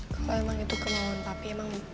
kalau memang itu kemauan papi